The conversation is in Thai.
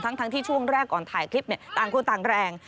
ทั้งที่ช่วงแรกก่อนถ่ายคลิปต่างคนต่างแรง